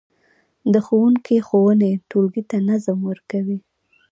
د ښوونکي ښوونې ټولګي ته نظم ورکوي.